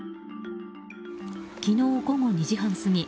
昨日午後２時半過ぎ